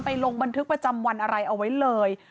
ลงบันทึกประจำวันอะไรเอาไว้เลย